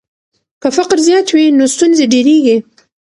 که فقر زیات وي نو ستونزې ډېریږي.